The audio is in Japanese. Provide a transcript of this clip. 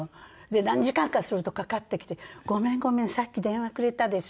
何時間かするとかかってきて「ごめんごめん。さっき電話くれたでしょ？」